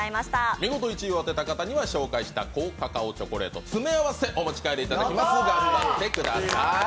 見事１位を当てた方には高カカオチョコレートの詰め合わせ、お持ち帰りいただきますので頑張ってください。